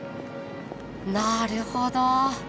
なるほど。